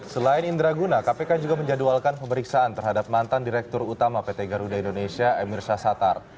selain indra guna kpk juga menjadwalkan pemeriksaan terhadap mantan direktur utama pt garuda indonesia emir syasatar